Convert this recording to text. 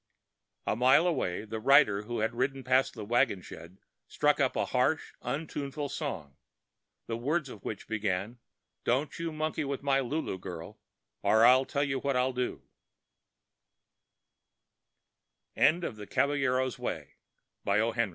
A mile away the rider who had ridden past the wagon shed struck up a harsh, untuneful song, the words of which began: Don't you monkey with my Lulu girl Or I'll tell you what I'll do— XII THE SPHINX APPLE Twenty mil